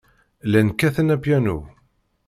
Llan kkaten apyanu.